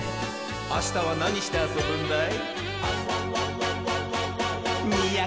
あしたはなにしてあそぶんだい？